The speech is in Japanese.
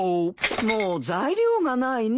もう材料がないね。